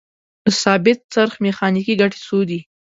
د ثابت څرخ میخانیکي ګټې څو دي؟